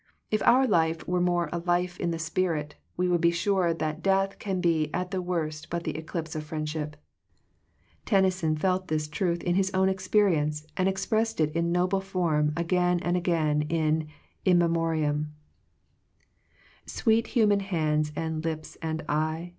If our life were more a life in the spirit, we would be sure that death can be at the worst but the eclipse of friendship. Tennyson felt this truth in his own experience, and expressed it in noble form again and again in In M^ tnoriam —Sweet humaii hand and lips and eye.